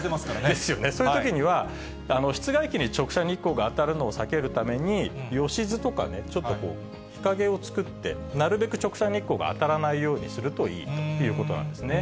ですよね、そういうときには室外機に直射日光が当たるのを避けるために、よしずとかね、ちょっとこう、日陰を作って、なるべく直射日光が当たらないようにするといいということなんですね。